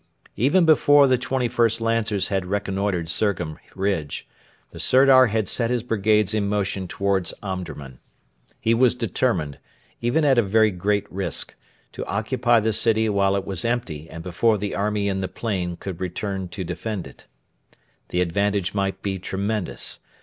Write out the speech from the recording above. Even before the 21st Lancers had reconnoitred Surgham ridge, the Sirdar had set his brigades in motion towards Omdurman. He was determined, even at a very great risk, to occupy the city while it was empty and before the army in the plain could return to defend it. The advantage might be tremendous.